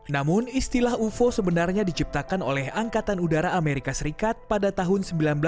namun istilah ufo sebenarnya diciptakan oleh angkatan udara amerika serikat pada tahun seribu sembilan ratus sembilan puluh